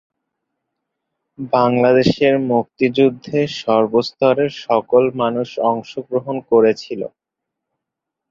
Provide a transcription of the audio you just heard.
বাংলাদেশের মুক্তিযুদ্ধে সর্বস্তরের সকল মানুষ অংশগ্রহণ করেছিল।